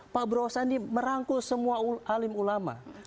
pak prabowo sandi merangkul semua alim ulama